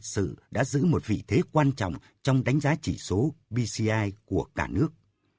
và thật sự đã giữ một vị thế quan trọng trong đánh giá chỉ số bci của cả nước